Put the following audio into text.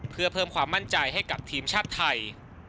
เพื่อเพิ่มความมั่นใจให้กับทีมชาติไทย